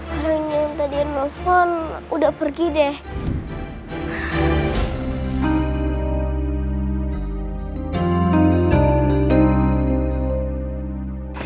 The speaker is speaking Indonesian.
kayaknya yang tadian nelfon udah pergi deh